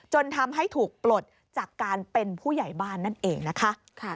จนทำให้ถูกปลดจากการเป็นผู้ใหญ่บ้านนั่นเองนะคะ